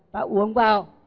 ta uống vào